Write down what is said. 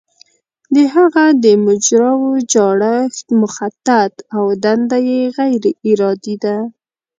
د هغه د مجراوو جوړښت مخطط او دنده یې غیر ارادي ده.